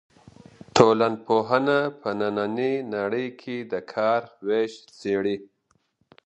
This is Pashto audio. ټولنپوهنه په نننۍ نړۍ کې د کار وېش څېړي.